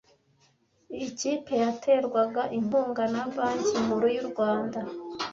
iyi kipe yaterwaga inkunga na Banki Nkuru y’u Rwanda.